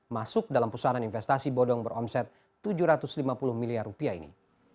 masuk dalam pusaran investasi bodong beromset tujuh ratus lima puluh miliar rupiah ini